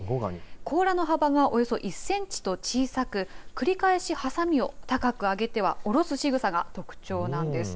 甲羅の幅がおよそ１センチと小さく繰り返しハサミを高く上げては下ろすしぐさが特徴なんです。